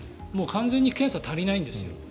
もう完全に検査が足りないんですよ。